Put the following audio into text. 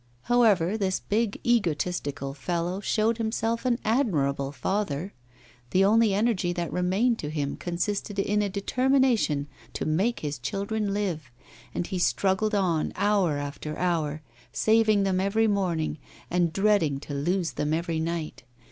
However, this big, egotistical fellow showed himself an admirable father. The only energy that remained to him consisted in a determination to make his children live, and he struggled on hour after hour, saving them every morning, and dreading to lose them every night.